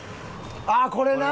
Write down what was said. あっこれな！